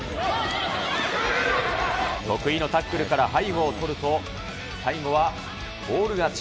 得意のタックルから背後を取ると、最後はフォール勝ち。